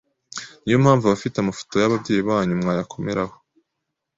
Niyo mpamvu abafite amafoto y’ababyeyi banyu mwayakomeraho